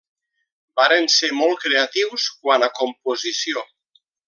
Varen ser molt creatius quant a composició.